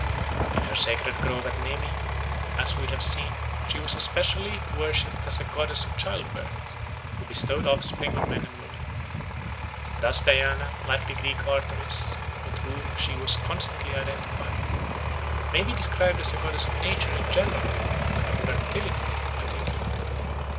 In her sacred grove at Nemi, as we have seen, she was especially worshipped as a goddess of childbirth, who bestowed offspring on men and women. Thus Diana, like the Greek Artemis, with whom she was constantly identified, may be described as a goddess of nature in general and of fertility in particular.